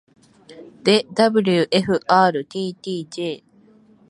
で ｗｆｒｔｔｊ